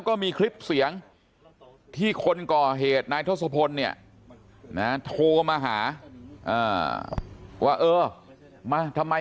ก็มีคลิปเสียงที่คนก่อเหตุนายทศพลเนี่ยนะโทรมาหาว่าเออมาทำไม